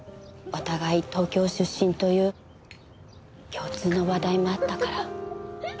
お互い東京出身という共通の話題もあったから。